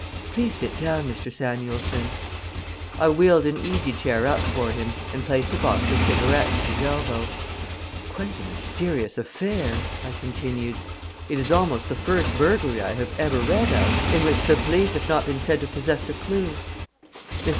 "Please sit down, Mr. Samuelson." I wheeled an easy chair up for him and placed a box of cigarettes at his elbow. "Quite a mysterious affair!" I continued. "It is almost the first burglary I have ever read of in which the police have not been said to possess a clew." Mr.